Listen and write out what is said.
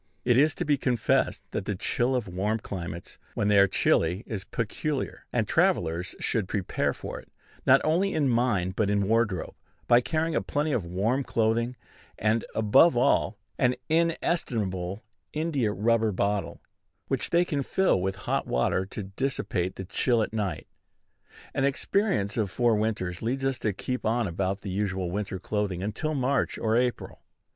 It is to be confessed that the chill of warm climates, when they are chilly, is peculiar; and travellers should prepare for it, not only in mind, but in wardrobe, by carrying a plenty of warm clothing, and, above all, an inestimable India rubber bottle, which they can fill with hot water to dissipate the chill at night. An experience of four winters leads us to keep on about the usual winter clothing until March or April.